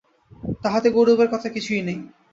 তাহাতে গৌরবের কথা কিছুই নাই।